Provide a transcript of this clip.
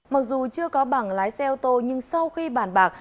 mặc dù chưa có bảng lái xe ô tô nhưng sau khi bàn bạc